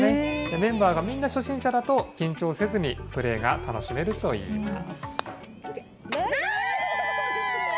メンバーがみんな初心者だと、緊張せずにプレーが楽しめるといいます。